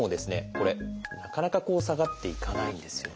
これなかなか下がっていかないんですよね。